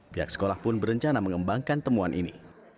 pihak sekolah pun berencana mengembangkan temuan ini